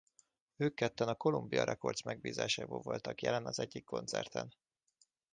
Ők ketten a Columbia Records megbízásából voltak jelen az egyik koncerten.